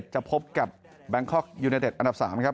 จะพบกับแบงคอร์กยูเนตเต็ดอันดับ๓